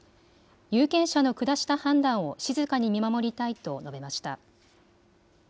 有権者の下した判断を静かに見守りたいと述べました。